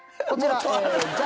こちらの。